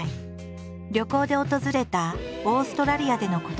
旅行で訪れたオーストラリアでのことだった。